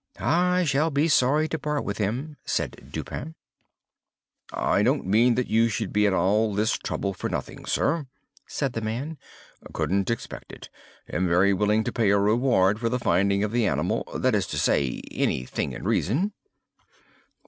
"I shall be sorry to part with him," said Dupin. "I don't mean that you should be at all this trouble for nothing, sir," said the man. "Couldn't expect it. Am very willing to pay a reward for the finding of the animal—that is to say, any thing in reason."